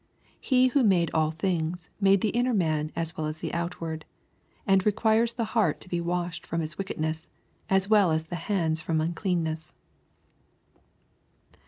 He who made all things, made the inntT man as well as the outward, and requires the heart to be washed from its wickedness, as well as the hands from unclean ness.